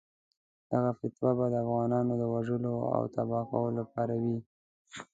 دغه فتوا به د افغانانو د وژلو او تباه کولو لپاره وي.